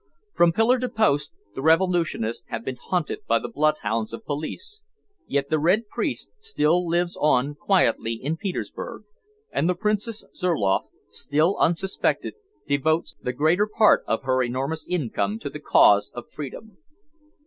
From pillar to post the revolutionists have been hunted by the bloodhounds of police, yet the "Red Priest" still lives on quietly in Petersburg, and the Princess Zurloff, still unsuspected, devotes the greater part of her enormous income to the cause of freedom.